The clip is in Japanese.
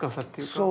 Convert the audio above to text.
そう。